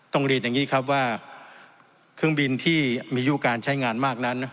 ต้องเรียนอย่างนี้ครับว่าเครื่องบินที่มียุคการใช้งานมากนั้น